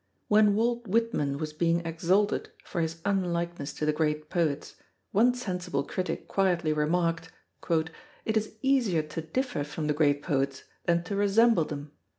When Walt Whitman was being exalted for his unlikeness to the great poets, one sensible critic quietly remarked, "It is easier to differ from the great poets than to resemble them."